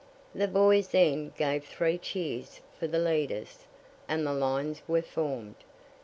The boys then gave three cheers for the leaders, and the lines were formed.